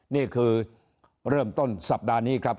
นี่คือเริ่มต้นสัปดาห์นี้ครับ